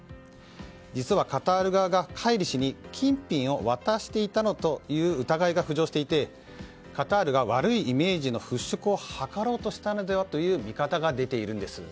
実はカタール側がカイリ氏に金品を渡していたという疑いが浮上していてカタールが悪いイメージの払しょくを図ろうとしたのではという見方が出ているんです。